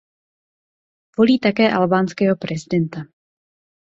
Volí také albánského prezidenta.